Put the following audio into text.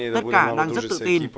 tất cả đang rất tự tin